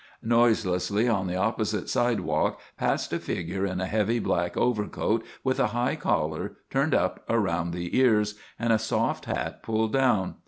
Noiselessly on the opposite sidewalk passed a figure in a heavy black overcoat with a high collar turned up around the ears and a soft hat pulled down.